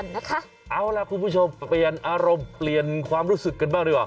เอาล่ะคุณผู้ชมเปลี่ยนอารมณ์เปลี่ยนความรู้สึกกันบ้างดีกว่า